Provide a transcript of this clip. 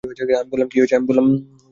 আমি বললাম, কী হয়েছে?